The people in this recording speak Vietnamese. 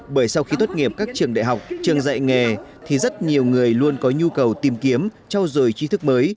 bởi sau khi tốt nghiệp các trường đại học trường dạy nghề thì rất nhiều người luôn có nhu cầu tìm kiếm trao dồi chi thức mới